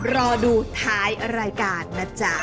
รอดูท้ายรายการนะจ๊ะ